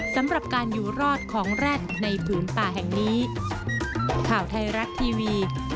สำหรับการอยู่รอดของแร็ดในผืนป่าแห่งนี้